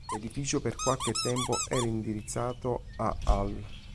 L'edificio per qualche tempo era indirizzato a al.